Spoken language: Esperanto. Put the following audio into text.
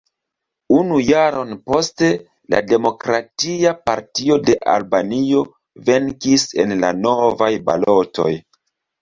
Unu jaron poste la Demokratia Partio de Albanio venkis en la novaj balotoj.